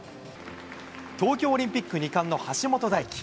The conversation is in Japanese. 東京オリンピック２冠の橋本大輝。